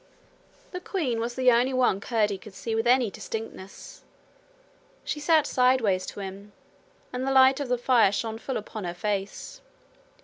The queen was the only one Curdie could see with any distinctness. She sat sideways to him, and the light of the fire shone full upon her face.